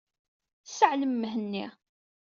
Sseɛlem Mhenni.